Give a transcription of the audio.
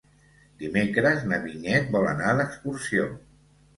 Dimecres na Vinyet vol anar d'excursió.